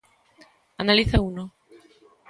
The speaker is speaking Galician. ¿Analizouno?